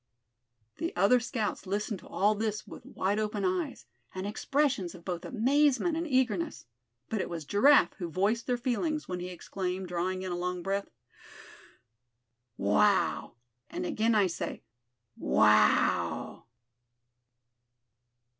The other scouts listened to all this with wide open eyes, and expressions of both amazement and eagerness; but it was Giraffe who voiced their feelings when he exclaimed, drawing in a long breath: "Wow! and again I say, wow!"